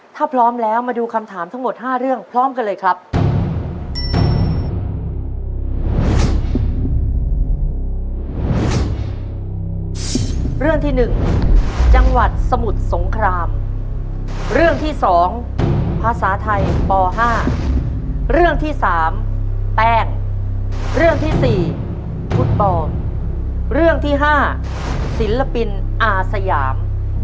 ถ้าพร้อมแล้วมาดูคำถามทั้งหมด๕เรื่องพร้อมกันเลยครับ